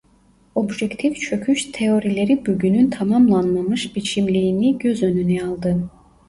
Objektif çöküş teorileri bugünün tamamlanmamış biçimliğini göz önüne aldı.